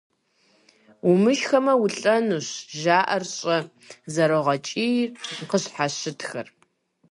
- Умышхмэ, улӀэнущ! ЖаӀэр щӀэ! - зэрогъэкӀий къыщхьэщытхэр.